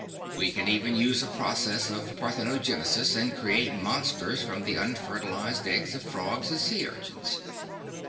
We can even use a process of parthenogenesis and create monsters from the unfertilized eggs of frogs and sea urchins.